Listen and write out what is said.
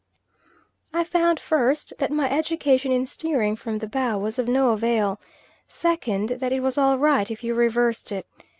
I found first, that my education in steering from the bow was of no avail; second, that it was all right if you reversed it.